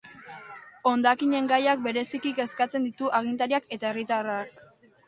Hondakinen gaiak bereziki kezkatzen ditu agintariak eta herritarrak.